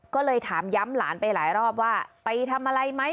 ก็เลยถามย้ำหลานไปหลายรอบว่าไปทำอะไรไหม